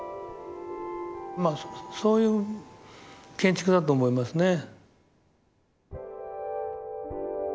まあそういう建築だと思いますね。